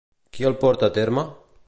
Qui el porta a terme?